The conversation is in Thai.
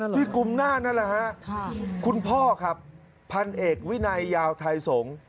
ที่กลุ่มหน้านั่นเหรอครับคุณพ่อครับพันเอกวินัยยาวไทยสงศ์